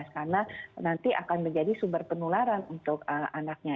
karena nanti akan menjadi sumber penularan untuk anaknya